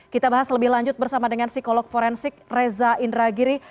kita bahas lebih lanjut bersama dengan psikolog forensik reza indragiri